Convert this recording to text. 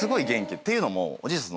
っていうのもおじいちゃん